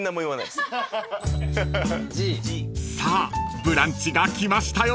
［さあブランチが来ましたよ］